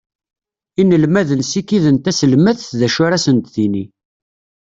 Inelmaden sikiden taselmadt d acu ara sen-d-tini.